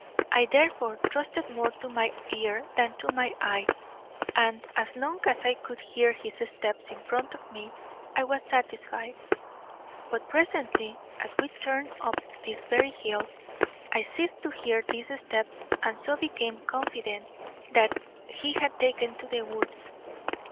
I therefore trusted more to my ear than to my eye, and as long as I could hear his steps in front of me I was satisfied. But presently, as we turned up this very hill, I ceased to hear these steps and so became confident that he had taken to the woods.